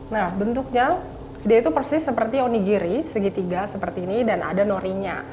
nah bentuknya dia itu persis seperti unigiri segitiga seperti ini dan ada norinya